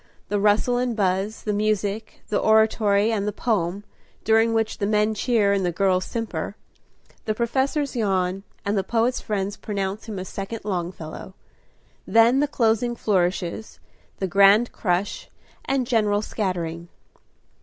The rustle and buzz, the music, the oratory and the poem, during which the men cheer and the girls simper; the professors yawn, and the poet's friends pronounce him a second Longfellow. Then the closing flourishes, the grand crush, and general scattering.